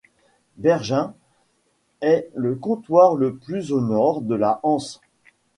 Bergen est le comptoir le plus au nord de la Hanse.